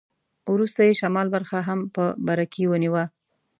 وروسته یې شمال برخه هم په برکې ونیوه.